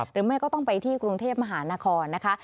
หรือไม่ก็ต้องไปที่กรุงเทพมหานครนะคะ